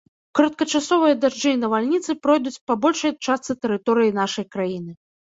Кароткачасовыя дажджы і навальніцы пройдуць па большай частцы тэрыторыі нашай краіны.